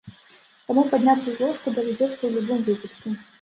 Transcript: Таму падняцца з ложку давядзецца ў любым выпадку.